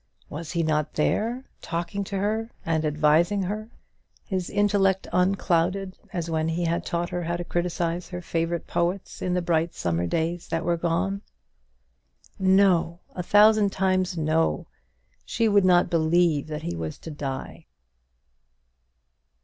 Was he not there, talking to her and advising her? his intellect unclouded as when he had taught her how to criticise her favourite poets in the bright summer days that were gone. No, a thousand times no; she would not believe that he was to die.